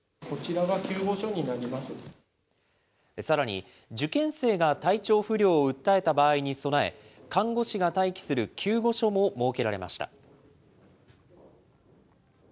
さらに、受験生が体調不良を訴えた場合に備え、看護師が待機する救護所も設けられました。